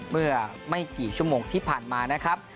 เมื่อไม่กี่ชั่วโมงที่ผ่านมานะครับ